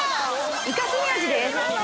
イカスミ味です。